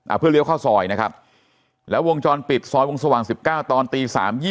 เพื่อเลี้ยวเข้าซอยนะครับแล้ววงจรปิดซอยวงสว่าง๑๙ตอนตีสามยี่